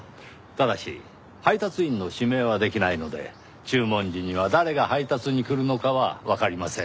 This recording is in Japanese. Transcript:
ただし配達員の指名はできないので注文時には誰が配達に来るのかはわかりません。